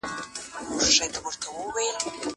زه پرون انځورونه رسم کوم!!